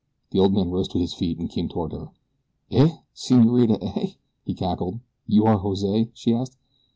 The old man rose to his feet and came toward her. "Eh? Senorita, eh?" he cackled. "You are Jose?" she asked.